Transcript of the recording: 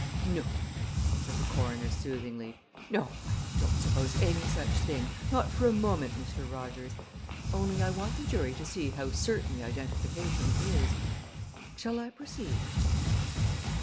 "No," said the coroner soothingly; "no, I don't suppose any such thing, not for a moment, Mr. Rogers; only I want the jury to see how certain the identification is. Shall I proceed?"